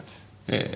ええ。